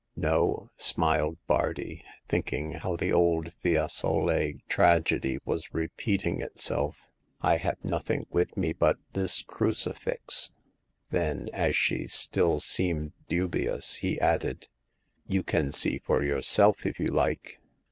No," smiled Bardi, thinking how the old Fiesole tragedy was repeating itself. I have nothing with me but this crucifix." Then, as she still seemed dubious, he added :You can see for yourself if you like."